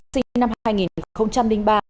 sinh năm hai nghìn ba